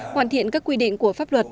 hoàn thiện các quy định của pháp luật